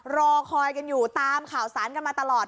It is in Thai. รอคอยกันอยู่ตามข่าวสารกันมาตลอด